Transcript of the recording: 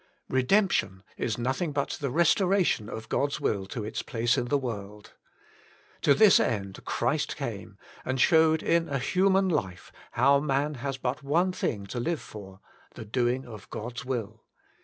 3. Eedemption is nothing but the restoration of God's will to its place in the world. To this end Christ came and Showed in a Human Life, How Man Has but One Thing to Live for^ the Doing of God's Will.